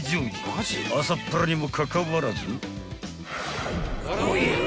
［朝っぱらにもかかわらずおや？